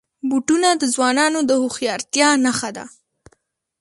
بوټونه د ځوانانو د هوښیارتیا نښه ده.